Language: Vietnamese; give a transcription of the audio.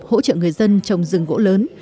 hỗ trợ người dân trồng rừng gỗ lớn